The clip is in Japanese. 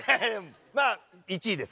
まぁ１位です。